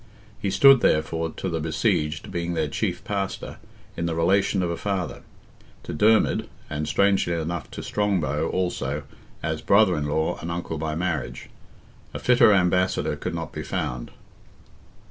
He stood, therefore, to the besieged, being their chief pastor, in the relation of a father; to Dermid, and strangely enough to Strongbow also, as brother in law and uncle by marriage. A fitter ambassador could not be found.